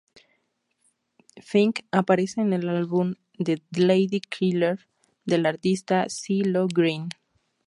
Finck aparece en el álbum The lady Killer del artista Cee-lo Green.